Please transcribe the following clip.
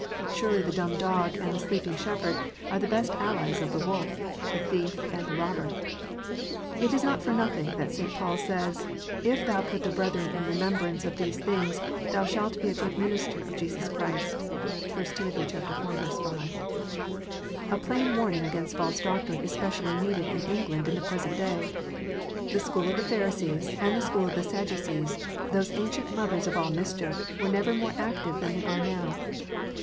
Surely the dumb dog and the sleeping shepherd are the best allies of the wolf, the thief, and the robber. It is not for nothing that St. Paul says, " If thou put the brethren in remembrance of these things, thou shalt be a good minister of Jesus Christ." ( 1 Tim. iv. 5.) A plain warning against false doctrine is specially needed in England in the present day. The school of the Pharisees, and the school of the Sadducees, those ancient mothers of all mischief, were never more active than they are now.